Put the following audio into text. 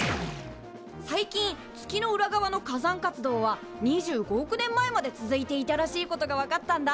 最近月の裏側の火山活動は２５億年前まで続いていたらしいことが分かったんだ。